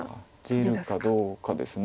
出るかどうかです。